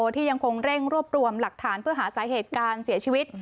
ที่ยังคงเร่งรวบรวมหลักฐานเพื่อหาสาเหตุการเสียชีวิต